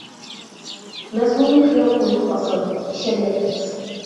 مەزمۇننى خىيال قىلماق ئاسان ئىشەنمەك تەس.